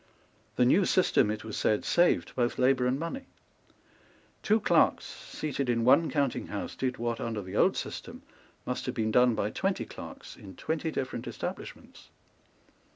The new system, it was said, saved both labour and money. Two clerks, seated in one counting house, did what, under the old system, must have been done by twenty clerks in twenty different establishments.